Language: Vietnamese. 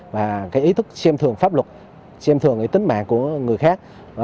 và ý thức xem thường pháp luật xem thường tính mạng của người khác